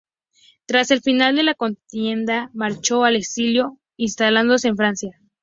Tras el final de la contienda marchó al exilio, instalándose en Francia.